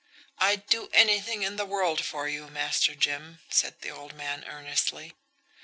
"I'd do anything in the world for you, Master Jim," said the old man earnestly.